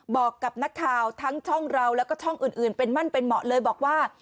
บอกกับนักข่าวทั้งช่องเราแล้วก็ช่องอื่นเป็นมั่นเป็นเหมาะเลยบอกว่า